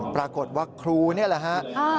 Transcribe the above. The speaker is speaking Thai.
ปรากฏว่าครูนี่แหละฮะ